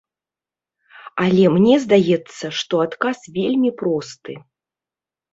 Але мне здаецца, што адказ вельмі просты.